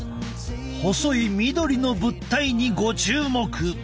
細い緑の物体にご注目。